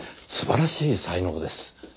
素晴らしい才能です。